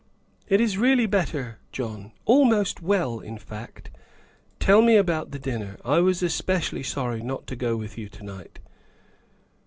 " It is really better, John almost well, in fact. Tell me about the dinner; I was especially sorry not to go with you to night."